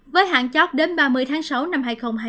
với hạn chót đến ba mươi tháng sáu năm hai nghìn hai mươi